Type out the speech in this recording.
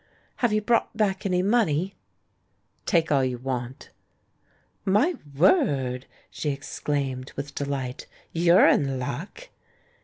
"Have you brought back any money?" "Take all you want." "My word!" she exclaimed, with delight. "You're in luck!"